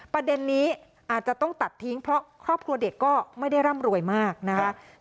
ประเด็นนี้อาจจะต้องตัดทิ้งเพราะครอบครัวเด็กก็ไม่ได้ร่ำรวยมากนะคะ